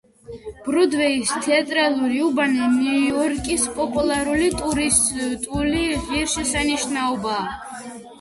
ბროდვეის თეატრალური უბანი ნიუ-იორკის პოპულარული ტურისტული ღირსშესანიშნაობაა.